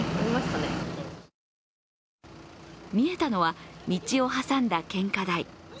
見えたのは、道を挟んだ献花台。